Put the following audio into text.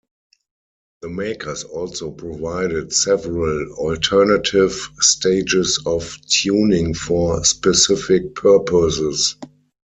The makers also provided several alternative stages of tuning for "specific purposes".